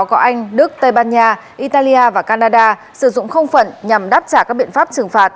có anh đức tây ban nha italia và canada sử dụng không phận nhằm đáp trả các biện pháp trừng phạt